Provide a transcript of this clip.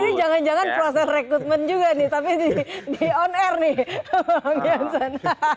ini jangan jangan proses rekrutmen juga nih tapi di on air nih bang jansen